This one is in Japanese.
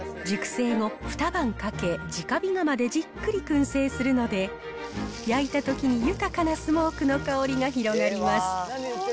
熟成後２晩かけ、直火窯でじっくりくん製するので、焼いたときに豊かなスモークの香りが広がります。